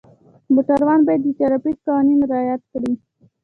موټروان باید د ټرافیک قوانین رعایت کړي.